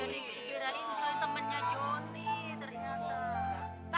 ngeri digerain cari temennya jonny ternyata